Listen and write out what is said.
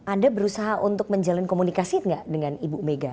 anda berusaha untuk menjalin komunikasi nggak dengan ibu mega